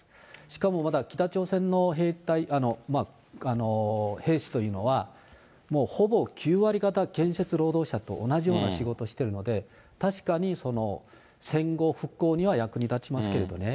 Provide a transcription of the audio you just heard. しかもまだ北朝鮮の兵隊、兵士というのは、もうほぼ９割方建設労働者と同じような仕事してるので、確かに戦後復興には役に立ちますけれどね、